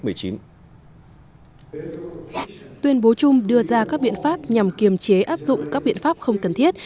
tuyên bố chung đưa ra các biện pháp nhằm kiềm chế áp dụng các biện pháp không cần thiết